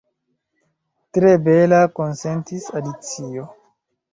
"Tre bela," konsentis Alicio.